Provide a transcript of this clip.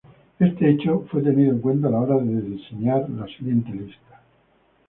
Este hecho fue tenido en cuenta a la hora diseñar la siguiente lista.